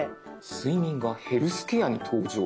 「『睡眠』が『ヘルスケア』に登場」。